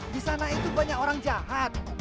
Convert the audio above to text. di sana itu banyak orang jahat